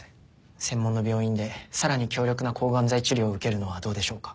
専門の病院でさらに強力な抗がん剤治療を受けるのはどうでしょうか。